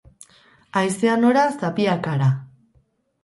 Haizea nora, zapiak hara.